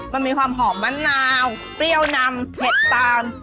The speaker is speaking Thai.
มันมีความหอมมะนาวเปรี้ยวนำเผ็ดตาม